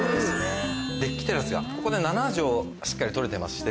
デッキテラスがここで７帖しっかり取れてまして。